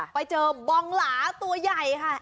ไปเจอบองหลาตัวใหญ่ค่ะ